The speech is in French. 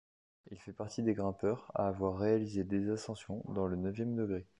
Il fait partie des grimpeurs à avoir réalisé des ascensions dans le neuvième degré.